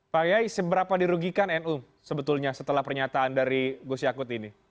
pak kiai seberapa dirugikan nu sebetulnya setelah pernyataan dari gus yakut ini